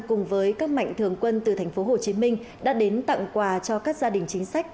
cùng với các mạnh thường quân từ tp hcm đã đến tặng quà cho các gia đình chính sách